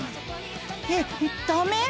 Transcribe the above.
えっダメ？